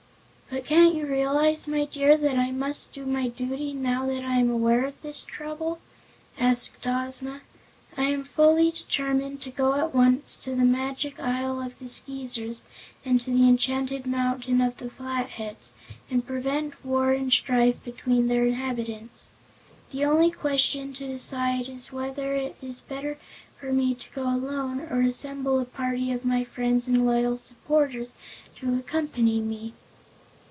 "But can't you realize, my dear, that I must do my duty, now that I am aware of this trouble?" asked Ozma. "I am fully determined to go at once to the Magic Isle of the Skeezers and to the enchanted mountain of the Flatheads, and prevent war and strife between their inhabitants. The only question to decide is whether it is better for me to go alone, or to assemble a party of my friends and loyal supporters to accompany me."